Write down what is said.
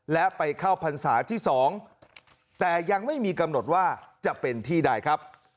และไปเข้าพรรษาที่๒แต่ยังไม่มีกำหนดว่าจะเป็นที่ใดครับ